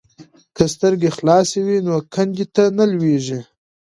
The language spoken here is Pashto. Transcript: که سترګې خلاصې وي نو کندې ته نه لویږي.